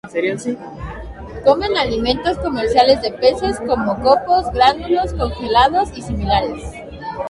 Comen alimentos comerciales de peces, como copos, gránulos, congelados y similares.